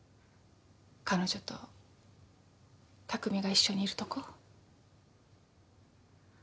彼女と拓海が一緒にいるとこ。